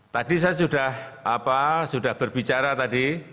tadi saya sudah berbicara tadi